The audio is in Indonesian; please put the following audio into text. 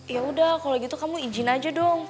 ya udah kalau gitu kamu izin aja dong